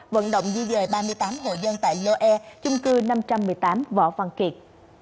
vận động di dời ba mươi tám hộ dân tại lô e chung cư năm trăm một mươi tám võ văn kiệt